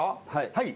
はい。